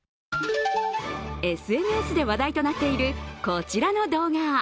ＳＮＳで話題となっているこちらの動画。